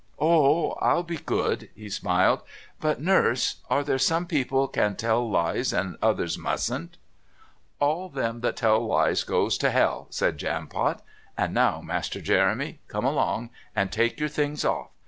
"Oh, I'll be good," he smiled. "But, Nurse, are there some people can tell lies and others mustn't?" "All them that tell lies goes to Hell," said the Jampot. "And now, Master Jeremy, come along and take your things off.